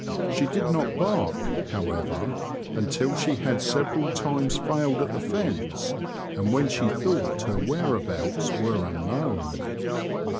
She did not bark, however, until she had several times failed at the fence, and when she thought her whereabouts were unknown.